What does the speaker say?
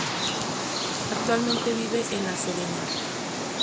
Actualmente vive en La Serena.